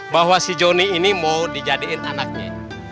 bahwa si joni ini mau dijadiin anaknya